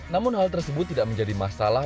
namun hal tersebut tidak menjadi masalah